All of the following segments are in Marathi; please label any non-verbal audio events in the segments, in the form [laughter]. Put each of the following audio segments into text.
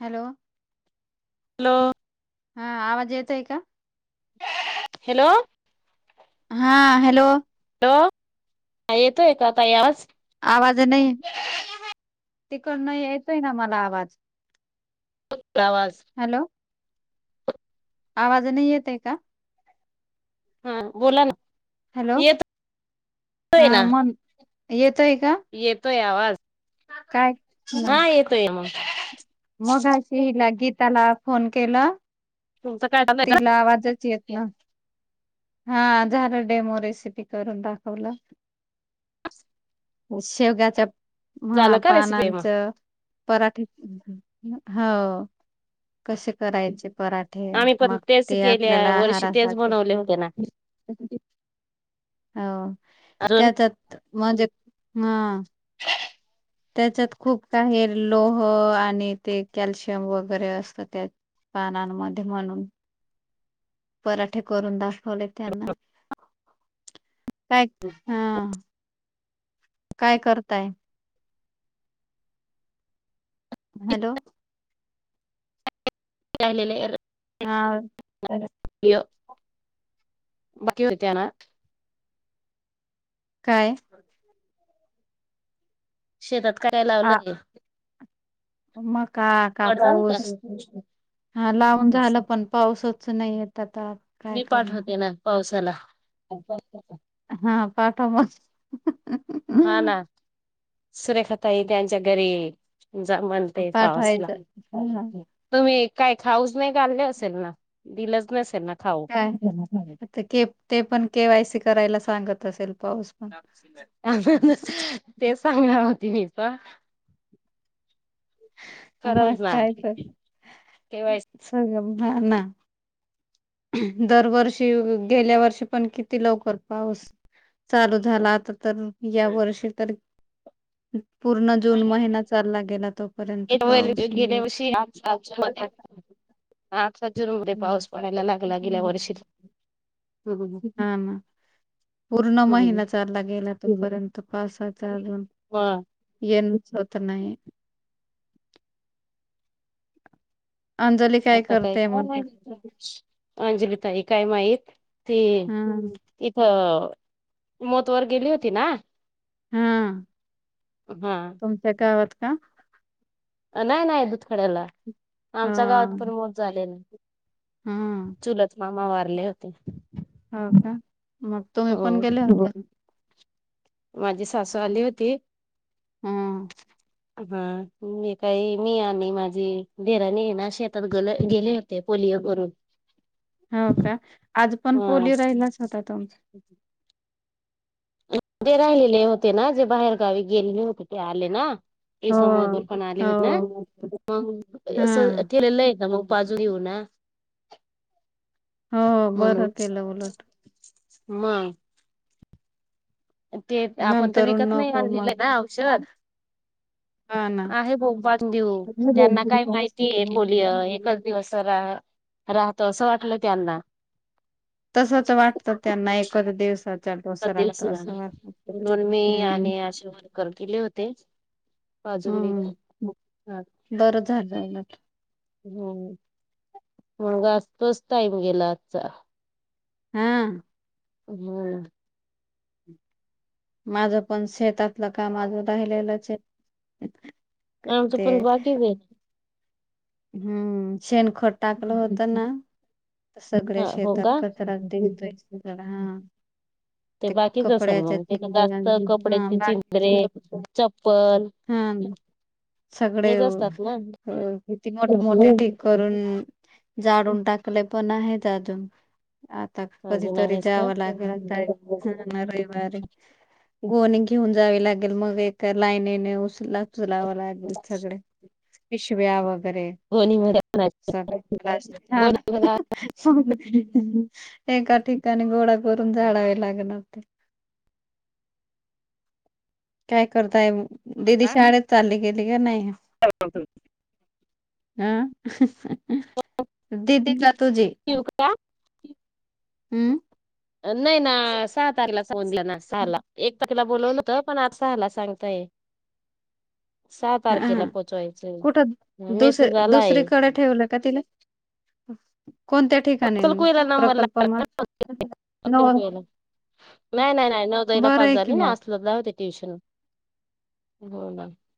हॅलो. हॅलो. हा आवाज येतय का... हॅलो... हा हॅलो... येतोय का आता आज.... आवाज नाही तिकड नाही यायचोय ना मला आवाज. आवाज..... हॅलो आवाज नाही येते का.... हा बोला ना.... हॅलो येतोय हा ना मग येतोय का. येतोय आवाज काय हा येतोय मग. मगा शहीला गीताला फोन केला... तुमचं काय चालूय तिला आवाजाच येत ना... हा झालं डेमो रेसिपी करून दाखवलं शेवग्याच्या झालं म का रेसिपी मग पानांचं पराठे. हो कसे करायचे. पराठे आम्ही पण मग तेच ते आपल्याला गेल्या वर्षी तेच आहारासाठी..... बनवले होते ना हा.... अजून त्याच्यात मज हा. त्याच्यात खूप काही लोह आणि ते कॅल्शियम वगैरे असत त्यात.... पानांमध्ये म्हणून.... पराठे करून दाखवले त्यांना... काय हा...... काय करताय. हॅलो! राहिलेले हा. य बाकी हो इ त्या ना. काय? शेतात कराय आ लावलंय. मका कापूस कडधान्य का हा लावून झालं पण पाऊसच. नाहीय आता काय मी करणं. पाठवते ना पावसाला हा पाठव म.. हा ना सुरेखा ताई त्यांच्या घरी. ज म्हणते पाऊसला पाठवायचं हा, तुम्ही. काय खाऊस नाही घाल्ले असेल ना दिलच नाही असेल ना. खाऊ काय के ते पण केवायसी करायला सांगत असेल. पाऊस पण ते सांगणार होती मी तर आ म्हाग काय तर सगम ना [inaudible] दरवर्षी गेल्या वर्षी पण किती लवकर पाऊस चालू झाला आता, तर या वर्षी तर पूर्ण जून केवायसी महिना चालला गेला तो. गेल्या वर्षी आ जून मध्ये पाऊस पडायला लागला गेल्या वर्षी हम्म हम पूर्ण महिना चालला गेला तोपर्यंत पासाून मग ये [inaudible] हो होत नाही. अंजली काय आता काही करतेय काय म्हटलं नाही. अंजलिताई काय माहीत ती हा तिथं मत् वर गेली होती ना, हा हा तुमच्या [inaudible] नाही नाही दुधखड्याला हा आमच्या गावात पण मोठ झाले नाही. हा चुलच मामा वारले होते. हो का मग तु्ही पण हो गेले होते. माझी सासू आली होती. हम्म हा मी काही मी आणि माझी देराणी ना शेतात ग गेले होते पोलिओ करून हो का आज पण ह पोलोलिओ राहिलाच होता तुमचा ते राहिलेले होते ना जे बाहेर गावी गेलेले होते ते आले ना एक समो तो हो पण आले हा हो ना, मग असं ठेलेलं आहे ना मग बाजू घेऊ ना [inaudible] हो बरं म्हणून तेला उलट [inaudible] मग [inaudible] ते आपण तर नंतरून विकत नाही नको मग आणलेले ना औषध हा ना. आहे भोप देऊ त्यांना काय माहिती आहे बोलया एकच दिवस राहत असं वाटलं त्यांना तसच वाटतं त्यांना एकच दिवसात चालो असं राहत असं वा म्हणून मी हम् आणि आशा वर्कर गेले होते बाजून हा बरं झालं उलट हम्म मग असज तोच टाईम गेला आजचा हा हम् माझं पण शेतातलं काझं राहिलेलं श [inaudible] आमच पण बाकीीवे [inaudible] हम्म शेणखोट टाकलं आहे होत ना [inaudible] सगळ्या हा हो शेतात का कचरा देतोयगड हा [inaudible] ते बाकीच असेल मग ते कपड्याच्या्या तर जास्त कपड्याचे चिंदरे ह चप्पल [inaudible] हा सगळे हेच असतात ना [inaudible] कि मोठ मोठ करून जाडून टाकले पण आहेत अजून [inaudible] आता अजून कधीतरी आहेस का जावं लागेल. रविवारी गोणी घेऊन जावी लागेल मग ए लाईनेने उचला. चलावं लागेल सगळे पिशव्या वग हो नि म [unintelligible] आणि गोळा करून झाडावे लागण आता. काय करताय? दिदी शाळेत चालली गेली की नाही? दीदी का तुजी? हम्म. नाही ना सहा तारे [unintelligible] ना सहाला एक [unintelligible] होत पण आज सहाला सांगताय. सहा तारखेला हा. पोहोचवायचं कुठं दुस मेसेज आलाय दुसरीकडे ठेवल का तिला. हम ला नंबर लाग मग न अकल कोुला नाही, नाही, नाही, नवोदयला बरं पास आहे की झाली ना, मग जाऊदे ट्युशन ला.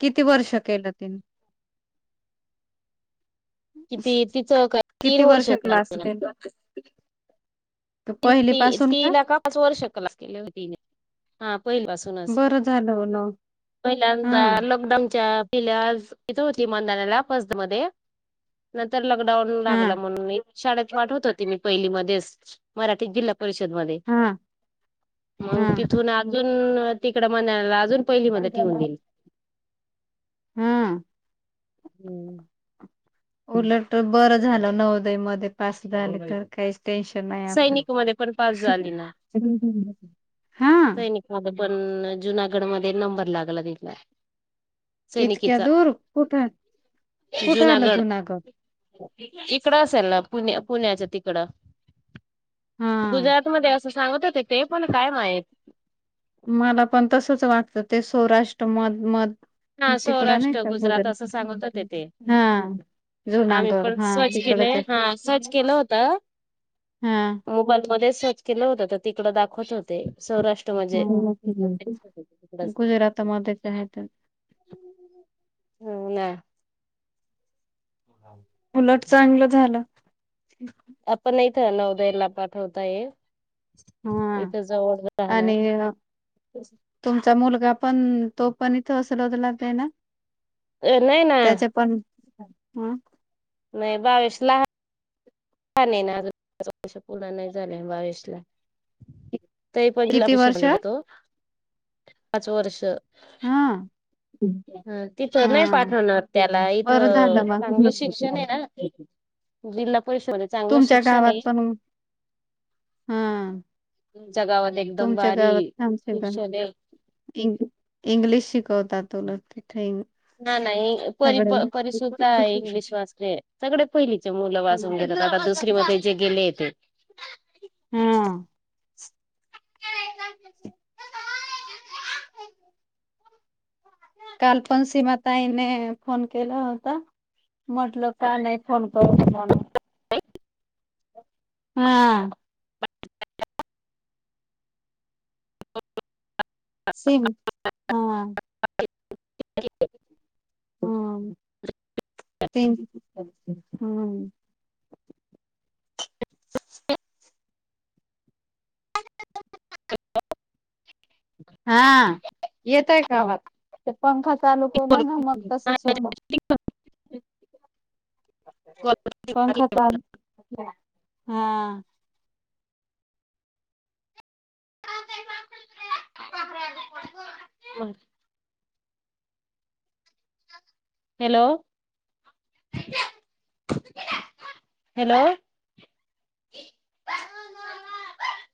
किती वर्ष केल तिन. किती तिच काय तीन किती वर्ष क्लास ह केला पहिली पासून तीला का पाच वर्ष लागले होते पहिली पासूनच, बरं झालं न हा पहिल्यांदा लॉकडाऊनच्या ति इथ होती मदाण्याला फर्स्ट मध्ये तर लॉकडाऊन हा लागला मग शाळेत पाठवत होती मी पहिली मधेच मराठी जि परिषद मग हा हा तिथून अजून तिकड म्हणा अजून, पहिली मध्ये ठेवून दिल. हम्म. हम्म उलट बर झाल नवोदय मध्ये पास झाले त र काहीच टेशन सैनिक मध्ये पण पास नाही हा सैनिकां पण जुनागड मध्ये नंबर लागला तथला इतक्या दूर कुठे जुनागड इकडं असेल पुण्या पुण्याच्या तिकड हा गुजरात मध्ये अस सांगत होते ते पण काय माहीत मला पण तसच वागतं ते सौराष्ट्र मध म हा सौराष्ट्र गुजरात असं सांगत होते ते हा आम्ही जुनागड पण हा स्वर्च तिकडच केलंय हा स्र्च केलं होत हा मोबाईल मध्ये सर्च केलं होत तर तिकड दाखवत होते सौराष्ट्र म हम्म. गुजरातमध्येच आहे तर हो ना उलट चांगलं झालं आपण नाही नवोदयाला पाठवता ये हा इथे जवळ राहण आणि आहे तुमचा मुलगा पण तो पण इथं सलवतला ना अ नाही ना हम्म नाही बावीश ला का नाही ना आज वर्स पूर्ण नाही झाले बावीस ला तही किती पहिलाभि वर्ष शरले हा जातो पाच वर्ष हम ह तिथं नाही पाठवणार त्याला बरं इथं झालं मग चांगलं शिक्षण आहे ना. जिल्हा परिषद मध्ये चांगल तुमच्या शिक्षण गावात आहे. पण हा जगावर एकदम तुमच्या भारी गावात. शिक्षण आहे [unintelligible] इंग्लिश शिकवतात तुला ते, ना नाही. परि परिसुद्ध इंग्लिश वाचते. सगळे पहिलीचे मुल वाचून घेता. आता दुसरी मध्ये जे गेले ते, हा. [unintelligible] काल पण सीमा ताईने फोन केला होता. म्हटलं का नाही फोन करू म्हणू हा. [unintelligible] सिम हा [unintelligible] हम्म ते हम्म. [unintelligible] हा येतय का आवाज? ते पंखा तालुक्याला ना मग तसच होत. पंखाचा हा. [unintelligible] हॅलो. हॅलो. [unintelligible]